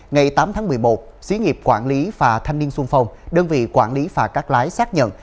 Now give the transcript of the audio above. ngày tám tháng một mươi một xí nghiệp quản lý phà thanh niên xuân phong đơn vị quản lý phà cắt lái xác nhận